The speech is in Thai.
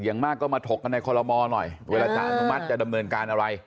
อย่างมากก็มาถกกันในคอลโลมอล์หน่อยเวลาแตกตุ๊ดมาทจะดำเนินการอะไร